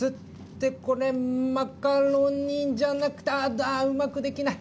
これ、マカロニじゃなくて、あっ、うまくできない。